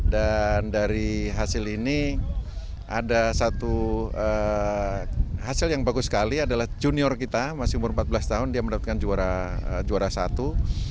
dan dari hasil ini ada satu hasil yang bagus sekali adalah junior kita masih umur empat belas tahun dia mendapatkan juara satu